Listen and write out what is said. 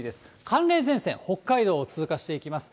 寒冷前線、北海道を通過していきます。